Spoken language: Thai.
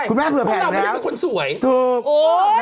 คุณแม่เผื่อแผ่งอยู่นี้อะ